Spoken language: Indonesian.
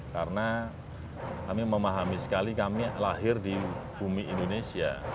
karena kami memahami sekali kami lahir di bumi indonesia